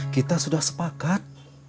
kita sudah sepakat